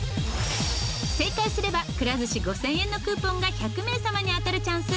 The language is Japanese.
正解すればくら寿司５０００円のクーポンが１００名様に当たるチャンス。